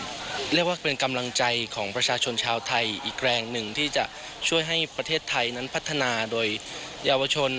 เรียกว่าเป็นกำลังใจของประชาชนชาวไทยอีกแรงหนึ่งที่จะช่วยให้ประเทศไทยนั้นพัฒนาโดยเยาวชน